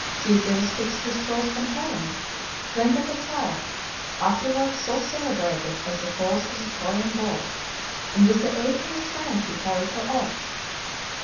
Theseus fixed his choice on Helen, then but a child, afterwards so celebrated as the cause of the Trojan war, and with the aid of his friend he carried her off.